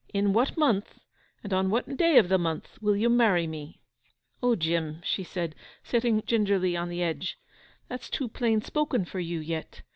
In what month, and on what day of the month, will you marry me?' 'O, Jim,' she said, sitting gingerly on the edge, 'that's too plain spoken for you yet.